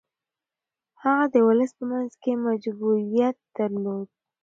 هغه د ولس په منځ کي محبوبیت درلود.